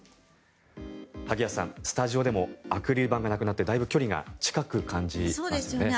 萩谷さん、スタジオでもアクリル板がなくなってだいぶ距離が近く感じますよね。